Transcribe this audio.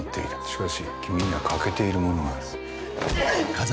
しかし、君には欠けているものがある。